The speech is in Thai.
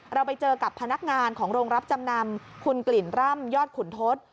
เราไปเจอกับพนักงานของโรงรับจำนำคุณกลิ่นร่ำยอดขุนทศ